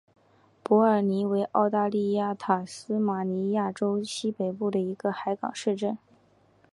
伯尔尼为澳大利亚塔斯马尼亚州西北部的一个海港小镇。